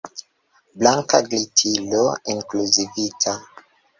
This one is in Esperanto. Blanka glitilo inkluzivita.